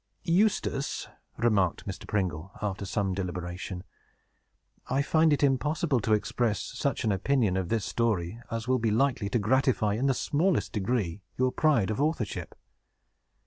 "Eustace," remarked Mr. Pringle, after some deliberation, "I find it impossible to express such an opinion of this story as will be likely to gratify, in the smallest degree, your pride of authorship.